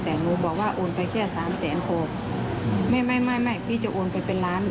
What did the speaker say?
แต่หนูบอกว่าโอนไปแค่สามแสนหกไม่ไม่ไม่พี่จะโอนไปเป็นล้าน